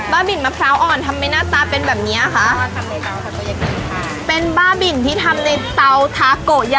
บิ่นมะพร้าวอ่อนทำไมหน้าตาเป็นแบบเนี้ยคะเป็นบ้าบินที่ทำในเตาทาโกยะ